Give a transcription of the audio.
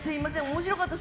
面白かった。